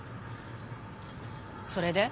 それで？